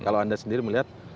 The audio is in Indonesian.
kalau anda sendiri melihat